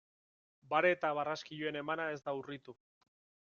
Bare eta barraskiloen emana ez da urritu.